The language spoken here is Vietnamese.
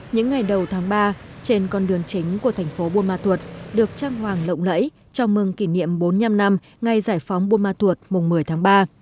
những ngày đầu tháng ba trên con đường chính của thành phố buôn ma thuột được trang hoàng lộng lẫy chào mừng kỷ niệm bốn mươi năm năm ngày giải phóng buôn ma thuột mùng một mươi tháng ba